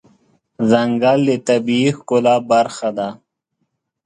ځنګل د طبیعي ښکلا برخه ده.